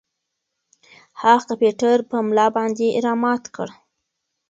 هغه کمپیوټر په ملا باندې را مات کړ.